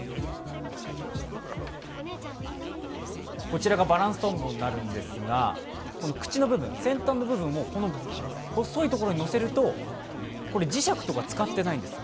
こちらがバランストンボになるんですが、口の部分、先端の部分を細いところに乗せると、これ磁石とか使ってないんです。